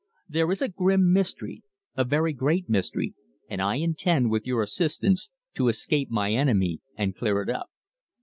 There is a grim mystery a very great mystery and I intend, with your assistance, to escape my enemy and clear it up."